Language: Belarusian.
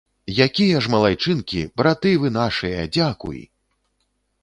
Якія ж малайчынкі, браты вы нашыя, дзякуй!